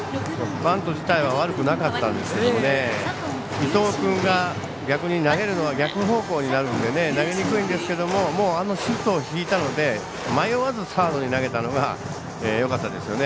バント自体は悪くなかったんですが伊藤君が投げるのが逆方向になるので投げにくいんですけどあのシフトを敷いたので迷わずサードに投げたのがよかったですよね。